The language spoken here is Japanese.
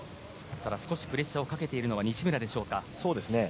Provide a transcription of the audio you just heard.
ただ、少しプレッシャーを見せているのは西村でしょうか。